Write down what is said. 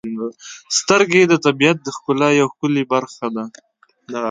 • سترګې د طبیعت د ښکلا یو ښکلی برخه ده.